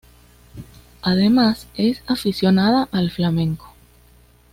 Además, es aficionada al flamenco.